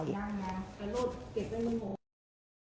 ถ้าโรคเก็บได้มันโหล